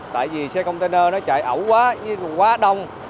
tại vì xe container nó chạy ẩu quá nhưng quá đông